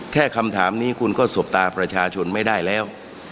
แค่คำถามนี้คุณก็สบตาประชาชนไม่ได้แล้ว